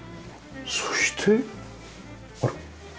そしてあれ？